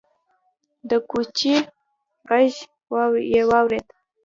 د کوچي غږ يې واورېد: